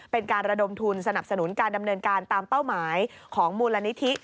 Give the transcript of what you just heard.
เป็นการระดมทุนสนับสนุนการดำเนินการตามเป้าหมายของมูลนิธิ